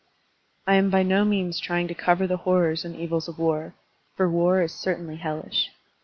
I am by no means trying to cover the horrors and evils of war, for war is certainly hellish.